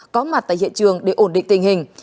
có mặt tại hiện trường để ổn định tình hình